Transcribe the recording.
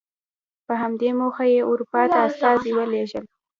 په همدې موخه یې اروپا ته استازي ولېږل.